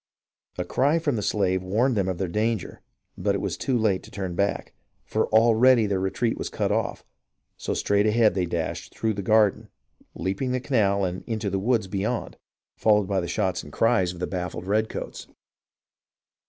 A cry from the slave warned them of their danger, but it was too late to turn back, for already their retreat was cut off ; so straight ahead they dashed through the garden, leaping the canal and into the woods beyond, followed by the shots and cries of the STORIES OF THE WAR IN THE SOUTH 351 baffled redcoats.